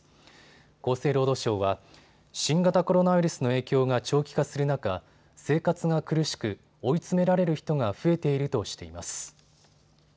厚生労働省は新型コロナウイルスの影響が長期化する中、生活が苦しく追い詰められる人が増えているとしています。